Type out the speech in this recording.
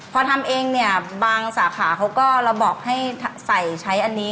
พอทำเองเนี่ยบางสาขาเขาก็เราบอกให้ใส่ใช้อันนี้